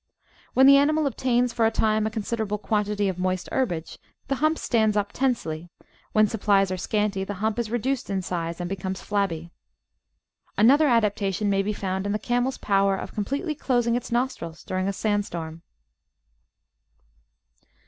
When the animal obtains for a time a considerable quantity of moist herbage, the hump stands up tensely; when supplies are scanty the hump is reduced in size and becomes flabby. Another adaptation may be found in the Camel's power of completely closing its nostrils during a sand storm.